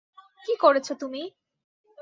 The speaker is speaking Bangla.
কী করেছ তুমি?